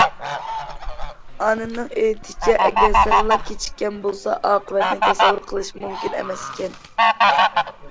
ئانىنىڭ ئېيتىشىچە، ئەگەر سەللا كېچىككەن بولسا، ئاقىۋەتنى تەسەۋۋۇر قىلىش مۇمكىن ئەمەس ئىكەن.